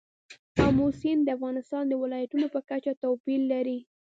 آمو سیند د افغانستان د ولایاتو په کچه توپیر لري.